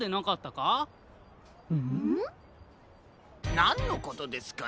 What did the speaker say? なんのことですかな？